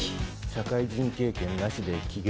社会人経験なしで起業？